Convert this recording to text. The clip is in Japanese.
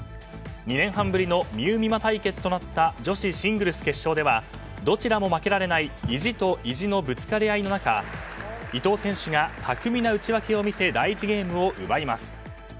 ２年半ぶりのみうみま対決となった女子シングルス決勝ではどちらも負けられない意地と意地のぶつかり合いの中伊藤選手が巧みな打ち分けを見せ第１ゲームを奪います。